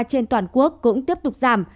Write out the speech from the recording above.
trên toàn quốc cũng tiếp tục giảm